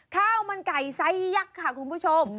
ข้าวมันไก่ไซส์ยักษ์ค่ะคุณผู้ชม